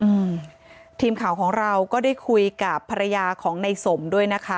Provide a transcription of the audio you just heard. อืมทีมข่าวของเราก็ได้คุยกับภรรยาของในสมด้วยนะคะ